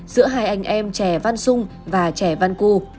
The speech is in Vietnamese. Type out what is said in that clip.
với hai anh em trè văn sung và trè văn cu